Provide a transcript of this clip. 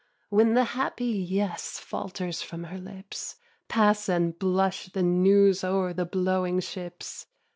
When the happy Yes Falters from her lips, Pass and blush the news O'er the blowing ships.